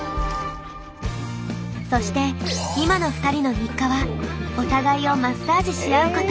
そして今の２人の日課はお互いをマッサージしあうこと。